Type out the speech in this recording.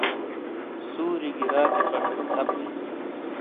سُوری گی راتی پش بو تھپ بیئں۔